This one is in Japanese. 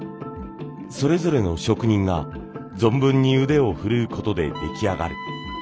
それぞれの職人が存分に腕を振るうことで出来上がる。